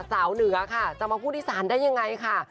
เหนือค่ะจะมาพูดอีสานได้ยังไงค่ะ